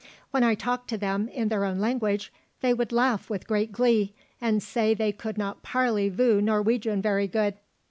When I talked to them in their own language they would laugh with great glee, and say they could not parley voo Norwegian very good.